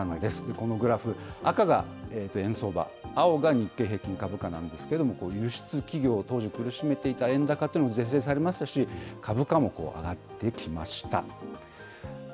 このグラフ、赤が円相場、青が日経平均株価なんですけど、輸出企業を当時苦しめていた円高というのも是正されましたし、株価も上がってきました。